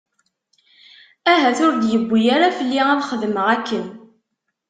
Ahat ur d-yewwi ara fell-i ad xedmeɣ akken.